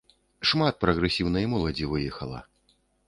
Шмат прагрэсіўнай моладзі выехала.